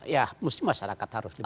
ya harusnya masyarakat harus tahu